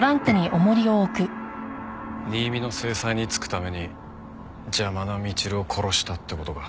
新見の正妻につくために邪魔なみちるを殺したって事か？